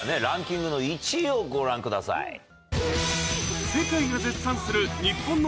ランキングの１位をご覧ください。